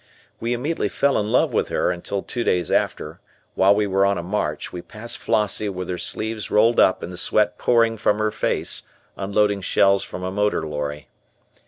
We immediately fell in love with her until two days after, while we were on a march, we passed Flossie with her sleeves rolled up and the sweat pouring from her face unloading shells from a motor lorry.